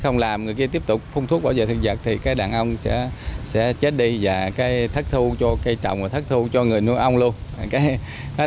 không làm người kia tiếp tục phun thuốc bảo vệ thực vật thì cái đàn ông sẽ chết đi và cây thất thu cho cây trồng và thất thu cho người nuôi ông luôn